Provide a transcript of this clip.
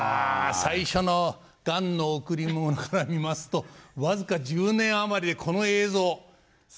最初の「雁のおくりもの」から見ますと僅か１０年余りでこの映像。